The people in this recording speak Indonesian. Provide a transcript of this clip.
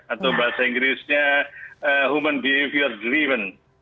atau bahasa inggrisnya human behavior driven